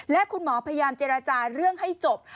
และคุณหมอพยายามเจรจาเรื่องให้จบ